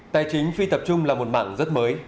tài chính phi tập trung là một mảng rất mới